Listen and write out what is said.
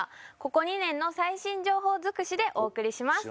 ここ２年の最新情報づくしでお送りします